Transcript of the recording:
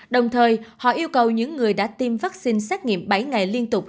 đồng thời họ yêu cầu những người đã tiêm vaccine xét nghiệm bảy ngày liên tục